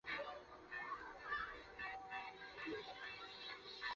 特定粒子的水平座标解析度比同等光学显微镜的解析度还要高。